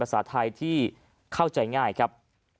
ภาษาไทยที่เข้าใจง่ายครับ